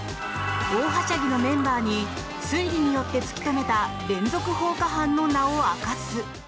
大はしゃぎのメンバーに推理によって突き止めた連続放火犯の名を明かす。